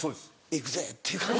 「行くぜ」っていう感じ。